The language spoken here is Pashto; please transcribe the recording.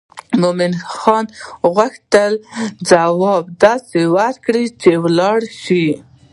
مومن خان غوښتل ځواب داسې ورکړي چې ولاړ شي.